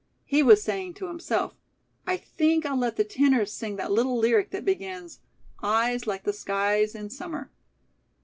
He was saying to himself: "I think I'll let the tenor sing that little lyric that begins: 'Eyes like the skies in summer.'"